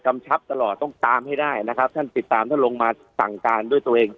ชับตลอดต้องตามให้ได้นะครับท่านติดตามท่านลงมาสั่งการด้วยตัวเอง